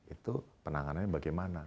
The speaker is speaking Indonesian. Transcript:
itu penanganannya bagaimana